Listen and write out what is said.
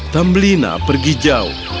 tambelina pergi jauh